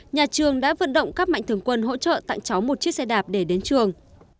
nhà trường đã vận động các mạnh thường quân hỗ trợ tặng cháu một chiếc xe đạp để đến trường